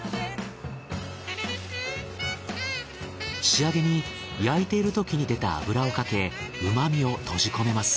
仕上げに焼いているときに出た脂をかけ旨みを閉じ込めます。